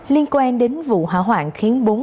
liên quan đến vụ hỏa hoạn khiến bốn đồng